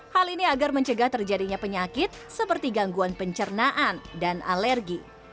hal ini agar mencegah terjadinya penyakit seperti gangguan pencernaan dan alergi